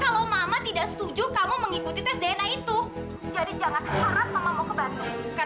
kalau mama tidak setuju kamu mengikuti tes dna nya ya kan